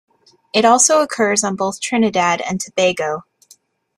It also occurs on both Trinidad and Tobago.